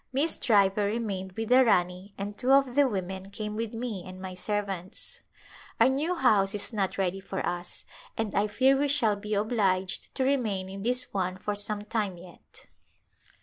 Miss Driver remained with the Rani and two of the women came with me and my servants. Our new house is not ready for us and I fear we shall be obliged to remain in this one for some time yet.